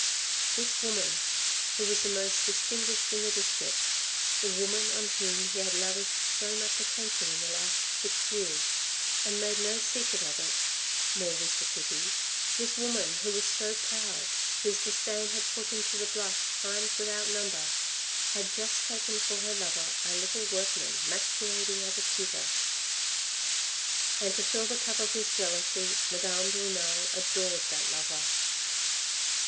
This woman, who was the most distinguished in the district, the woman on whom he had lavished so much attention in the last six years, and made no secret of it, more was the pity, this woman who was so proud, whose disdain had put him to the blush times without number, had just taken for her lover a little workman masquerading as a tutor. And to fill the cup of his jealousy, Madame de Renal adored that lover.